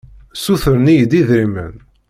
Ssutren-iyi-d idrimen.